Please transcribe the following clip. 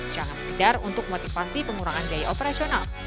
jangan sekedar untuk motivasi pengurangan biaya operasional